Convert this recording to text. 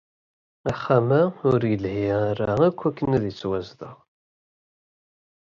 Axxam-a ur yelhi ara akk akken ad yettwazdeɣ.